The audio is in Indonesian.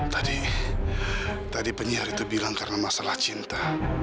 tadi tadi penyihir itu bilang karena masalah cinta